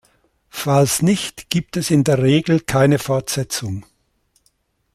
Falls nicht, gibt es in der Regel keine Fortsetzung.